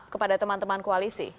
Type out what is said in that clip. kepada teman teman koalisi